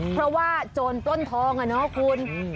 เพราะว่าโจรปล้นทองอะเนาะคุณ